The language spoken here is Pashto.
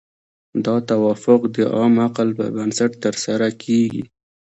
دا توافق د عام عقل پر بنسټ ترسره کیږي.